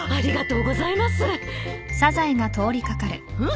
うん？